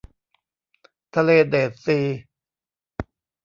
ทะเลเดดซี